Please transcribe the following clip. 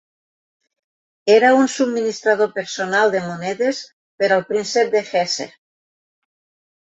Era un subministrador personal de monedes per al príncep de Hesse.